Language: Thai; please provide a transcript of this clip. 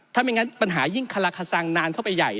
ถ้าไม่งั้นปัญหายิ่งคลาคสังนานเข้าไปใหญ่